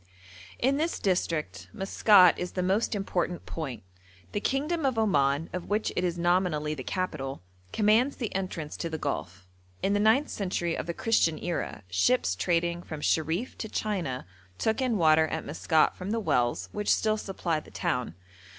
In this district Maskat is the most important point; the kingdom of Oman, of which it is nominally the capital, commands the entrance to the Gulf. In the ninth century of the Christian era ships trading from Sherif to China took in water at Maskat from the wells which still supply the town.